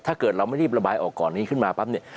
ถ้าเกิดเราไม่รีบระบายออกก่อนนี้ขึ้นมาปั๊บเนี่ย